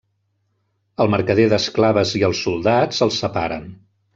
El mercader d'esclaves i els soldats els separen.